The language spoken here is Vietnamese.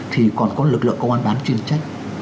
thì còn có lực lượng công an bán chuyên trách